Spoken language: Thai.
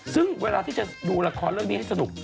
ซึ่งเวลาที่จะดูละครเรื่องนี้ให้สนุก